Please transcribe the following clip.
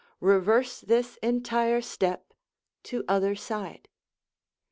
Reverse this entire step to other side.